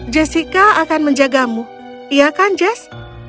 jessica akan menjagamu iya kan jess